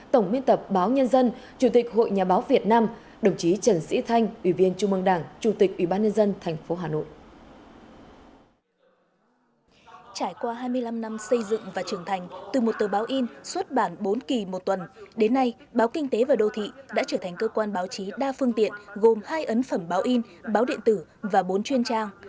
trải qua hai mươi năm năm xây dựng và trưởng thành từ một tờ báo in xuất bản bốn kỳ một tuần đến nay báo kinh tế và đô thị đã trở thành cơ quan báo chí đa phương tiện gồm hai ấn phẩm báo in báo điện tử và bốn chuyên trao